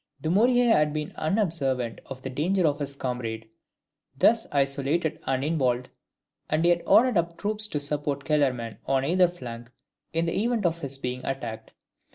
Dumouriez had not been unobservant of the danger of his comrade, thus isolated and involved; and he had ordered up troops to support Kellerman on either flank in the event of his being attacked.